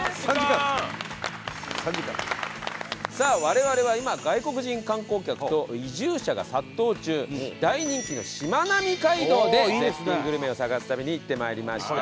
さあ我々は今外国人観光客と移住者が殺到中大人気のしまなみ海道で絶品グルメを探す旅に行って参りました。